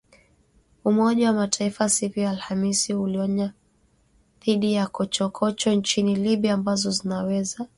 Umoja wa Mataifa siku ya Alhamis ulionya dhidi ya “chokochoko” nchini Libya ambazo zinaweza kusababisha mapigano